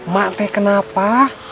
mak teh kenapa